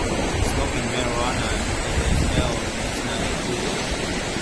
Smoking marijuana, it is held, is not included.